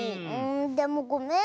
でもごめん。